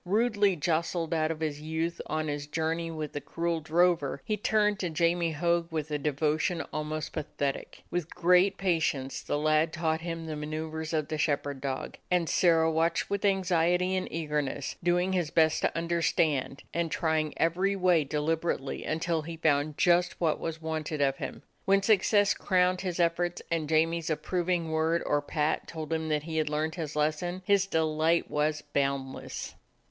Rudely jostled out of his youth on his journey with the cruel drover, he turned to Jamie Hogg with a devotion almost pathetic. With great patience the lad taught him the manceuvers of the shepherd dog, and Sirrah watched with anxiety and eagerness, doing his best to understand, and trying every way deliberately until he found just what was wanted of him. When success crowned his efforts and Jamie's approving word or pat told him that he had learned his lesson, his delight was boundless.